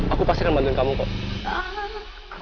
aku pasti akan bantuin kamu kok